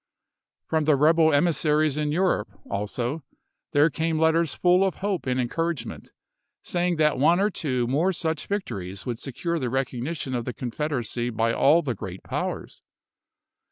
From the rebel emissaries in Europe, also, there THE INVASION OF PENNSYLVANIA 201 came letters full of hope and encouragement, say ch. viii. ing that one or two more such victories would secure the recognition of the Confederacy by all the great powers.